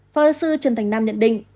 phó giáo sư trần thành nam nhận định